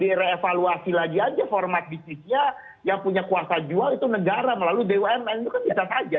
direvaluasi lagi aja format bisnisnya yang punya kuasa jual itu negara melalui bumn itu kan bisa saja